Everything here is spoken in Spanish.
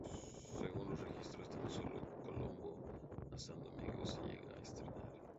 Según los registros, tan sólo Colombo a San Domingo se llegó a estrenar.